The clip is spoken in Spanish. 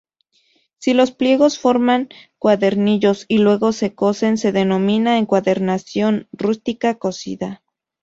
Si los pliegos forman cuadernillos y luego se cosen, se denomina encuadernación "rústica cosida".